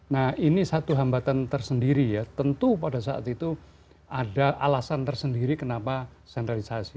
nah ini satu hambatan tersendiri ya tentu pada saat itu ada alasan tersendiri kenapa sentralisasi